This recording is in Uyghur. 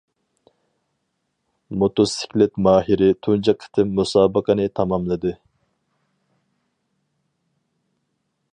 موتوسىكلىت ماھىرى تۇنجى قېتىم مۇسابىقىنى تاماملىدى.